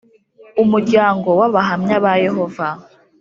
umuryango w Abahamya ba Yehova